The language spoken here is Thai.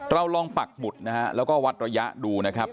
เราลองปักหมุดนะฮะแล้วก็วัดระยะดูนะครับ